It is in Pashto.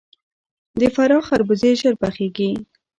د فراه خربوزې ژر پخیږي.